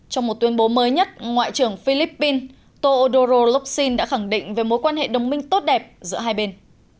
trong một tuyên bố mới nhất ngoại trưởng philippines to odoro locsin đã khẳng định về mối quan hệ đồng minh tốt đẹp giữa hai bên